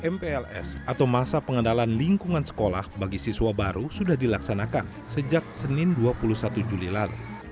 mpls atau masa pengendalian lingkungan sekolah bagi siswa baru sudah dilaksanakan sejak senin dua puluh satu juli lalu